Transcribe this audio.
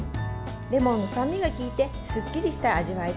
レモンの酸味が効いてすっきりした味わいです。